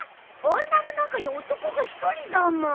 女の中に男が一人だもん。